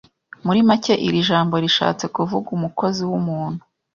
Muri make iri jambo rishatse kuvuga umukozi w’umuntu